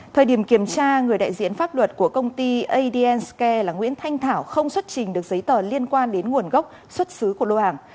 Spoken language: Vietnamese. thời điểm kiểm tra người đại diện pháp luật của công ty adn sky là nguyễn thanh thảo không xuất trình được giấy tờ liên quan đến nguồn gốc xuất xứ của lô hàng